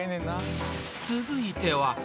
［続いては］